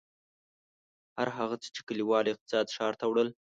هر هغه څه چې کلیوال اقتصاد ښار ته وړل.